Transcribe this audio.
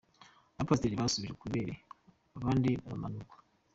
Abapasiteri basubijwe ku ibere abandi baramanurwa